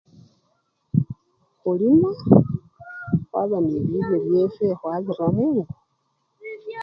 Olima waba nende bilyo byefwe khwabira mungo